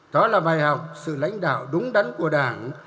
đó là bài học sự lãnh đạo đúng đắn của đảng